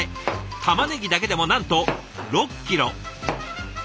たまねぎだけでもなんと６キロ。